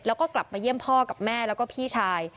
แล้วก็กลับมาเยี่ยมพ่อกับแม่แล้วก็พี่ชาย